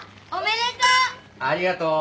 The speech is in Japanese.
ありがとう。